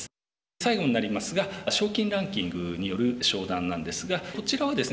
最後になりますが賞金ランキングによる昇段なんですがこちらはですね